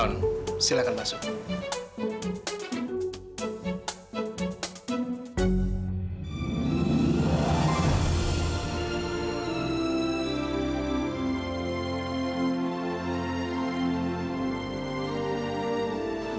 non silahkan masuk